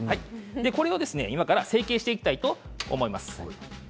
これを今から成形していきたいと思います。